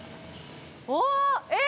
おおえっ？